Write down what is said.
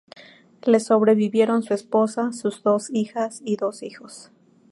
Le sobrevivieron su esposa, sus dos hijas y sus dos hijos.